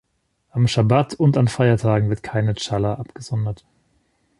Am Schabbat und an Feiertagen wird keine Challa abgesondert.